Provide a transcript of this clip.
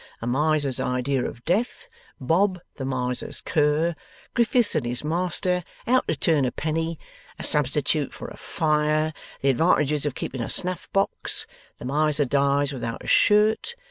A Miser's Idea of Death. Bob, the Miser's cur. Griffiths and his Master. How to turn a penny. A substitute for a Fire. The Advantages of keeping a Snuff box. The Miser dies without a Shirt.